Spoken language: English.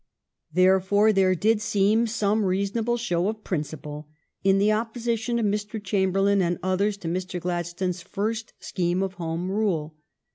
Therefore there did seem some reasonable show of principle in the opposi tion of Mr. Chamberlain and others to Mr. Glad stones first scheme of Home Rule.